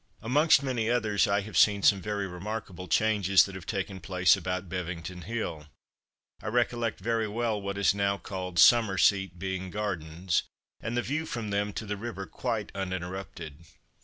Amongst many others I have seen some very remarkable changes that have taken place about Bevington hill. I recollect very well what is now called "Summer Seat" being gardens, and the view from them to the river quite uninterrupted.